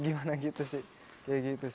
gimana gitu sih